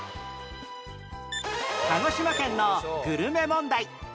鹿児島県のグルメ問題